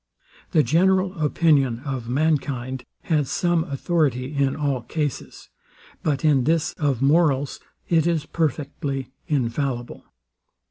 The general opinion of mankind has some authority in all cases; but in this of morals it is perfectly infallible.